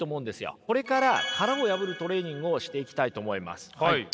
これから殻を破るトレーニングをしていきたいと思います。